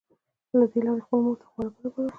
له دې لارې یې خپلې مور ته خواړه برابرول